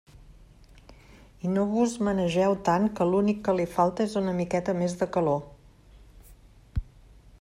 I no vos menegeu tant que l'únic que li falta és una miqueta més de calor.